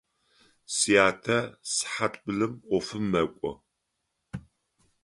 Сятэ сыхьат блым ӏофым мэкӏо.